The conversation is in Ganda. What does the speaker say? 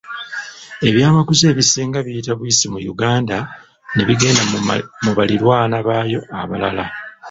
Ebyamaguzi ebisinga biyita buyisi mu Uganda ne bigenda mu baliraanwa baayo abalala.